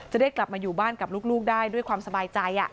จะได้กลับมาอยู่บ้านกับลูกได้ด้วยความสบายใจ